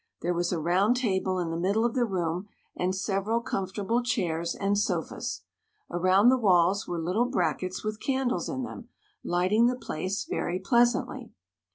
There was a round table in the middle of the room, and several comfortable chairs and sofas. Around the walls were little brackets with candles in them, lighting the place very pleasantly.